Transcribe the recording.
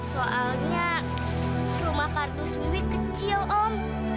soalnya rumah kardus wiwi kecil om